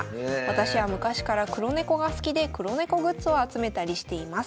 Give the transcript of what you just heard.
私は昔から黒猫が好きで黒猫グッズを集めたりしています。